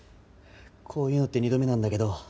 こういうのって二度目なんだけど。